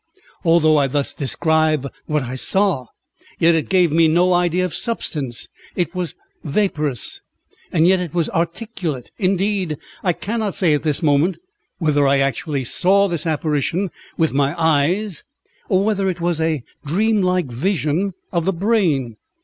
Although I thus describe what I saw, yet it gave me no idea of substance; it was vaporous, and yet it was articulate. Indeed, I cannot say at this moment whether I actually saw this apparition with my eyes, or whether it was a dream like vision of the brain.